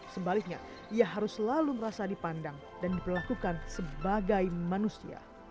sebaliknya ia harus selalu merasa dipandang dan diperlakukan sebagai manusia